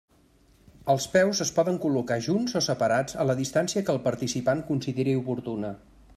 Els peus es poden col·locar junts o separats a la distància que el participant consideri oportuna.